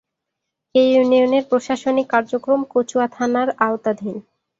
এ ইউনিয়নের প্রশাসনিক কার্যক্রম কচুয়া থানার আওতাধীন।